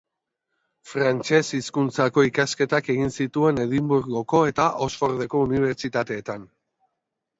Frantses hizkuntzako ikasketak egin zituen Edinburgoko eta Oxfordeko unibertsitateetan.